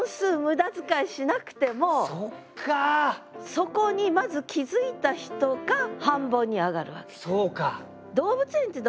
そこにまず気づいた人が半ボンに上がるわけ。